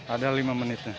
ada lima menit